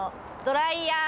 ドライヤー？